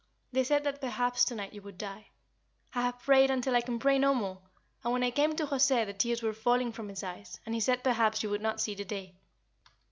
They said that perhaps to night you would die. I have prayed until I can pray no more, and when I came to José the tears were falling from his eyes, and he said perhaps you would not see the day.